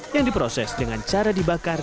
yang diproses dengan cara dibakar